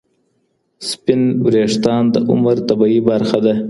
سپین وریښتان د عمر طبیعي برخه ده.